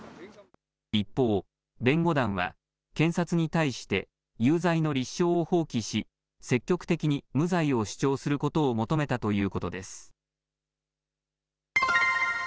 一方、弁護団は、検察に対して有罪の立証を放棄し、積極的に無罪を主張することを求めたということです。